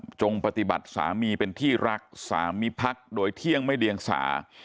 จงปฏิบัติสามีเป็นที่รักสามิพักษ์โดยเที่ยงไม่เดียงสา